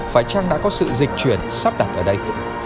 phải chăng đã có sự dịch chuyển sắp đặt ở đây